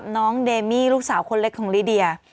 น้องเดมี่ลูกสาวคนเล็กของลิเดีย